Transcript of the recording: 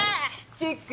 チェック